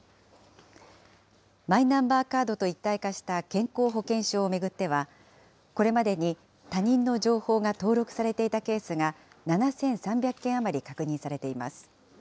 マイナンバーカードと一体化した健康保険証を巡っては、これまでに他人の情報が登録されていたケースが、７３００件余り確認されています。